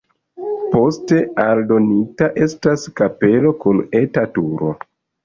Poste aldonita estas kapelo kun eta turo.